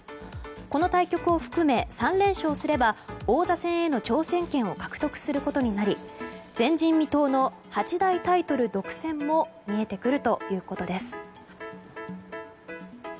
この対局を含め３連勝すれば王座戦への挑戦権を獲得することになり前人未到の八大タイトル独占も見えてくるということです。